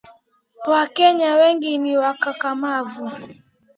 Wakenya wengi ni wakakamavu